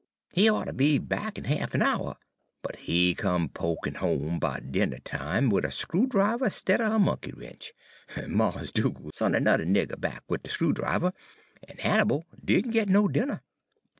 He oughter be'n back in ha'f a' hour, but he come pokin' home 'bout dinner time wid a screw driver stidder a monkey wrench. Mars' Dugal' sont ernudder nigger back wid de screw driver, en Hannibal did n' git no dinner.